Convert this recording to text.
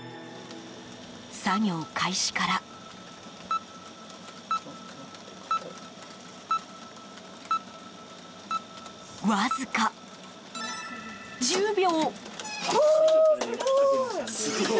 作業開始から、わずか１０秒。